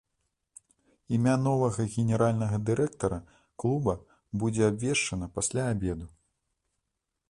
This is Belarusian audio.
Імя новага генеральнага дырэктара клуба будзе абвешчанае пасля абеду.